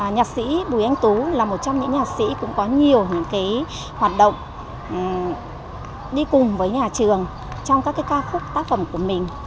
nhạc sĩ bùi anh tú là một trong những nhạc sĩ cũng có nhiều hoạt động đi cùng với nhà trường trong các ca khúc tác phẩm của mình